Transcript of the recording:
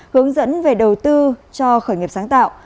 hướng dẫn về đầu tư cho khởi nghiệp sáng tạo